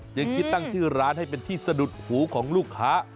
ยังคิดตั้งชื่อร้านให้เป็นที่สะดุดหูของลูกค้า